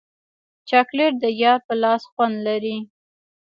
چاکلېټ د یار په لاس خوند لري.